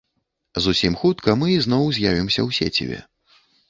Зусім хутка мы ізноў з'явімся ў сеціве!